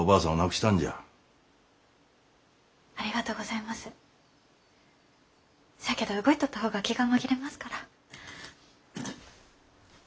しゃあけど動いとった方が気が紛れますから。